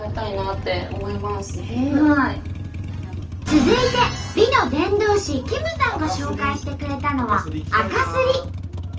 続いて美の伝道師キムさんが紹介してくれたのはあかすり。